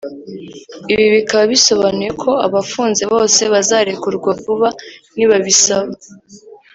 Ibi bikaba bisobanuye ko abafunze bose bazarekurwa vuba nibabisaba